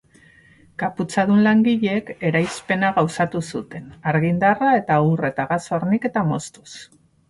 Kaputxadun langileek eraispena gauzatu zuten, argindarra eta ur eta gas horniketa moztuz.